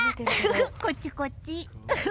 こっちこっち。